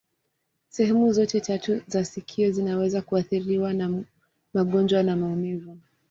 Sehemu zote tatu za sikio zinaweza kuathiriwa na magonjwa na maumivu.